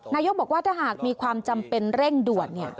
นายกบอกว่าถ้าหากมีความจำเป็นเร่งด่วน